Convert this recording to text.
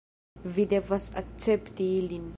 Vi devas akcepti ilin